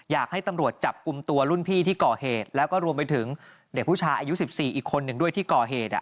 อยากให้ตำรวจจับกลุ่มตัวรุ่นพี่ที่ก่อเหตุแล้วก็รวมไปถึงเด็กผู้ชายอายุ๑๔อีกคนหนึ่งด้วยที่ก่อเหตุ